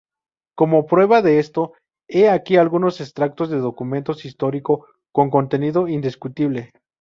Como prueba de esto, he aquí algunos extractos de documentos históricos con contenido indiscutible.